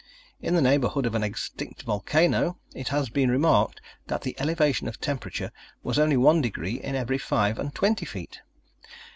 In the neighborhood of an extinct volcano, it has been remarked that the elevation of temperature was only one degree in every five and twenty feet.